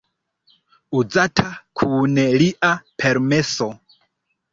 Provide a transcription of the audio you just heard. Uzata kun lia permeso.